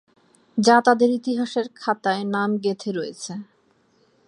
যা তাদের ইতিহাসের খাতায় নাম গেঁথে রয়েছে।